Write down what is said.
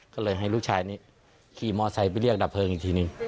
ก็เลยให้ลูกชายนี้ขี่มอไซค์ไปเรียกดับเพลิงอีกทีนึง